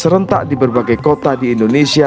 serentak di berbagai kota di indonesia